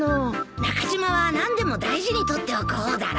中島は何でも大事にとっておく方だろ？